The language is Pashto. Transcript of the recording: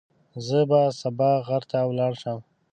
زه به سبا غر ته ولاړ شم.